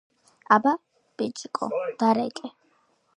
- აბა, ბიჭიკო, დარეკე!